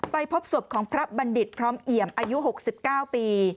พบศพของพระบัณฑิตพร้อมเอี่ยมอายุ๖๙ปี